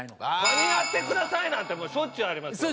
「カニやってください」なんてもうしょっちゅうありますよ。